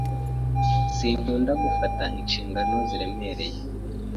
Sinkunda gufata inshingano ziremereye.